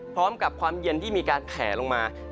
พร้อมกับความเย็นที่มีการแขลลงมา